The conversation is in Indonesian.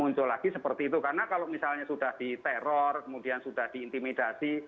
muncul lagi seperti itu karena kalau misalnya sudah di teror kemudian sudah di intimidasi